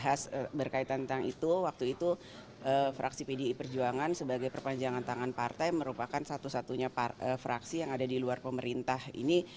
membahas berkaitan tentang itu waktu itu fraksi pdi perjuangan sebagai perpanjangan tangan partai merupakan satu satunya fraksi yang ada di luar pemerintah ini